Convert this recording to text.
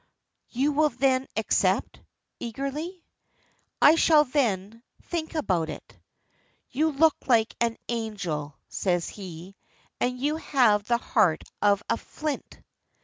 "You will then accept?" eagerly. "I shall then think about it." "You look like an angel," says he, "and you have the heart of a flint."